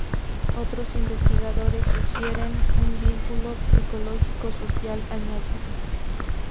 Otros investigadores sugieren un vínculo psicológico-social añadido.